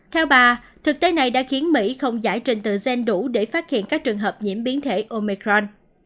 theo bà thực tế này đã khiến mỹ không giải trình tự gen đủ để phát hiện các trường hợp nhiễm biến thể omicron